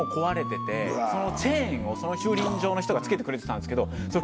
そのチェーンをその駐輪場の人が付けてくれてたんですけど。